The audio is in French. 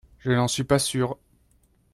Je n’en suis pas sûre